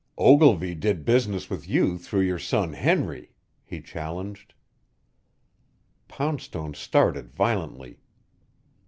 "Ogilvy did business with you through your son Henry," he challenged. Poundstone started violently.